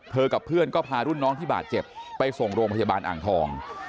กับเพื่อนก็พารุ่นน้องที่บาดเจ็บไปส่งโรงพยาบาลอ่างทอง